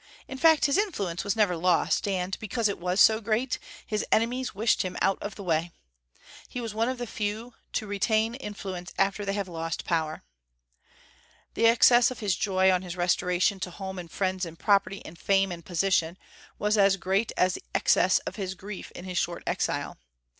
In fact, his influence was never lost; and, because it was so great, his enemies wished him out of the way. He was one of the few who retain influence after they have lost power. The excess of his joy on his restoration to home and friends and property and fame and position, was as great as the excess of his grief in his short exile.